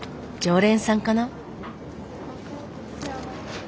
常連さんかな？